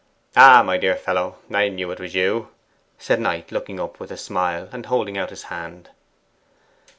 'Ah, my dear fellow, I knew 'twas you,' said Knight, looking up with a smile, and holding out his hand.